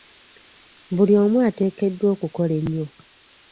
Buli omu ateekeddwa okukola ennyo .